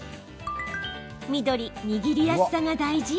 緑・握りやすさが大事？